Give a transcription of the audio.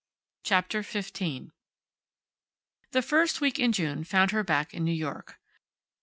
CHAPTER FIFTEEN The first week in June found her back in New York.